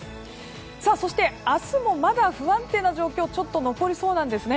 そして、明日もまだ不安定な状況がちょっと残りそうなんですね。